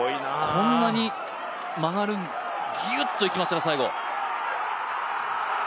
こんなに曲がる、ギュッといきましたね、最後。